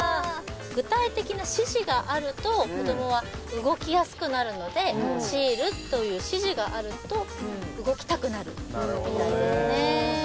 具体的な指示があると子どもは動きやすくなるのでシールという指示があると動きたくなるみたいですね